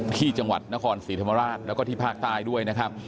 ที่จังหวัดนครศรีธรรมราชแล้วก็ที่ภาคใต้ด้วยนะครับ